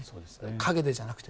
陰でじゃなくて。